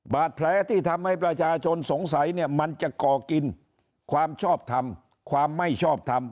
บาดแผลที่ทำให้ประชาชนสงสัยเนี่ยมันจะก่อกินความชอบทำความไม่ชอบทำ